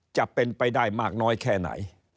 จะเป็นไปได้มากน้อยแค่ไหน